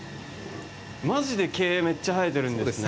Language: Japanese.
マジで毛、めっちゃ生えてるんですね。